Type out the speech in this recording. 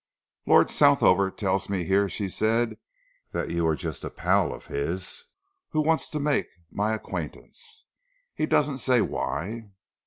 "Lord Southover tells me here," she said, "that you are just a pal of his who wants to make my acquaintance. He doesn't say why."